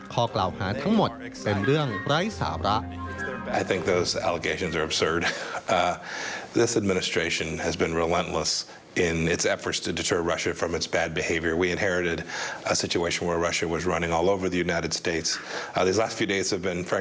ข้อกล่าวหาทั้งหมดเป็นเรื่องไร้สาระ